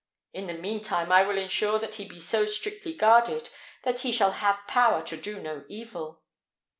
In the mean time, I will ensure that he be so strictly guarded that he shall have power to do no evil."